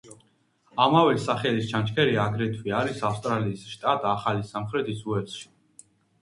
ამავე სახელის ჩანჩქერი აგრეთვე არის ავსტრალიის შტატ ახალი სამხრეთი უელსში.